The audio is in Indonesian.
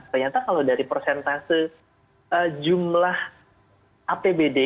ternyata kalau dari persentase jumlah apbd